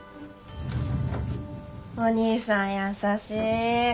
お兄さん優しい。